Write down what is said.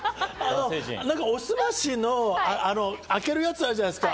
おすましの開けるやつ、あるじゃないですか。